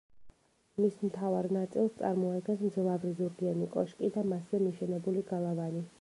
მის მთავარ ნაწილს წარმოადგენს მძლავრი ზურგიანი კოშკი და მასზე მიშენებული გალავანი.